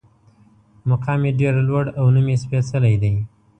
مقام یې ډېر لوړ او نوم یې سپېڅلی دی.